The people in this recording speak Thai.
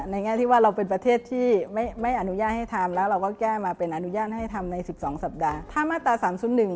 ในแห่งที่ว่าเราเป็นประเทศที่ไม่อนุญาตให้ทำแล้วเราก็แก้มาเป็นอนุญาตให้ทำในสิบสองสัปดาห์